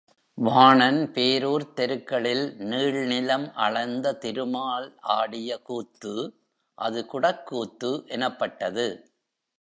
வாணன் பேரூர்த் தெருக்களில் நீள்நிலம் அளந்த திருமால் ஆடிய கூத்து அது குடக் கூத்து எனப்பட்டது.